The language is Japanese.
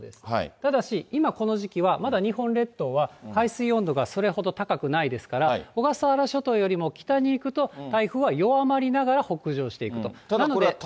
ただし今、この時期は、まだ日本列島は海水温度がそれほど高くないですから、小笠原諸島よりも北に行くと、台風は弱まりながら、北上していくと。